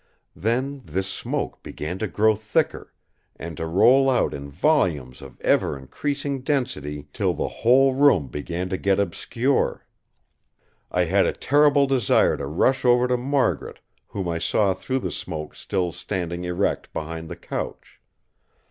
Then this smoke began to grow thicker, and to roll out in volumes of ever increasing density till the whole room began to get obscure. I had a terrible desire to rush over to Margaret, whom I saw through the smoke still standing erect behind the couch.